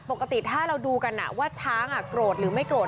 ปกติถ้าเราดูกันว่าช้างโกรธหรือไม่โกรธ